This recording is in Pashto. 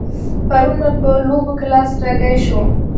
پرون مې په لوبه کې لاس رګی شو.